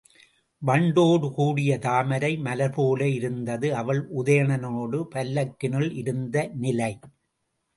வண்டோடு கூடிய தாமரை மலர்போல இருந்தது அவள் உதயணனோடு பல்லக்கினுள் இருந்த நிலை.